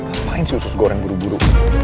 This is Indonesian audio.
apain sih usus goreng buru buru